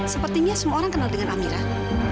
sepertinya semua orang kenal dengan amirah